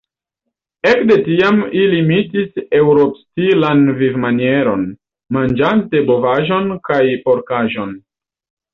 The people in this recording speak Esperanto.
Ekde tiam ili imitis eŭropstilan vivmanieron, manĝante bovaĵon kaj porkaĵon.